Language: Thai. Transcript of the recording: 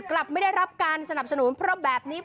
กลับไม่ได้รับการสนับสนุนเพราะแบบนี้